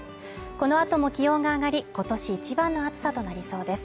このあとも気温が上がり、今年一番の暑さとなりそうです。